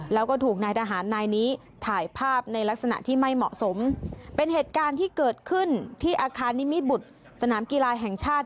แล้วก็ถูกนายทหารนายนี้ถ่ายภาพในลักษณะที่ไม่เหมาะสมเป็นเหตุการณ์ที่เกิดขึ้นที่อาคารนิมิตบุตรสนามกีฬาแห่งชาติ